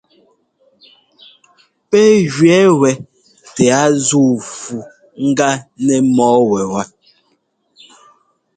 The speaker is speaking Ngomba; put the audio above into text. Pɛ́ gẅɛɛ wɛ tɛ a zúu fu ŋgá nɛ mɔ́ɔ wɛwá.